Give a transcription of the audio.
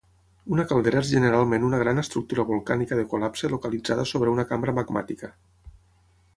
Una caldera és generalment una gran estructura volcànica de col·lapse localitzada sobre una cambra magmàtica.